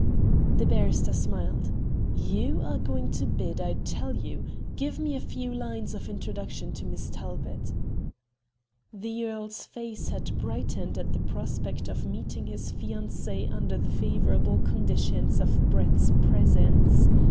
The barrister smiled. "You are going to bed, I tell you. Give me a few lines of introduction to Miss Talbot." The earl's face had brightened at the prospect of meeting his fiancée under the favourable conditions of Brett's presence.